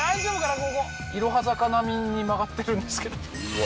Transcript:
ここいろは坂並みに曲がってるんですけどうわ